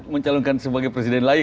mencalonkan sebagai presiden lagi